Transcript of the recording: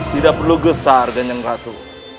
tidak perlu besar kanjeng ratu